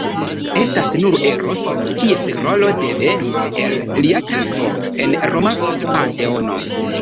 Estas nur Eroso, kies rolo devenis el lia tasko en roma panteono.